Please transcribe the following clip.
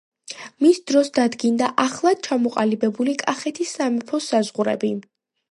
მის დროს დადგინდა ახლად ჩამოყალიბებული კახეთის სამეფოს საზღვრები.